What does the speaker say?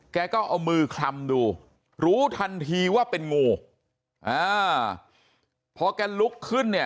แกก็เอามือคลำดูรู้ทันทีว่าเป็นงูอ่าพอแกลุกขึ้นเนี่ย